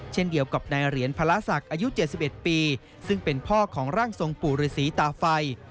เช่นเดียวกับนายเหรียญพระศักดิ์อายุ๗๑ปีซึ่งเป็นพ่อของร่างทรงปู่ฤษีตาไฟ